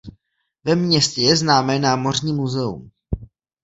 Ve městě je známé námořní muzeum.